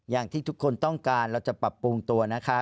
อย่างที่ทุกคนต้องการเราจะปรับปรุงตัวนะคะ